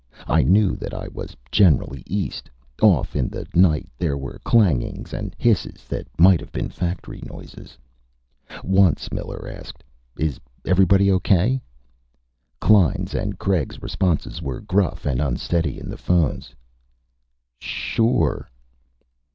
I knew that it was generally east. Off in the night there were clangings and hisses that might have been factory noises. Once Miller asked, "Is everybody okay?" Klein's and Craig's responses were gruff and unsteady in the phones. "Sure...."